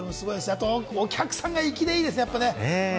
あとお客さんが粋でいいですね。